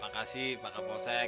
makasih pak kaposek